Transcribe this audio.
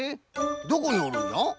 どこにおるんじゃ？